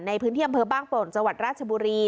ในพื้นที่อำเภอบ้างปลวงจวัตรราชบุรี